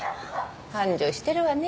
繁盛してるわね